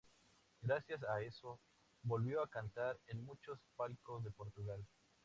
Gracias a eso, volvió a cantar en muchos palcos de Portugal.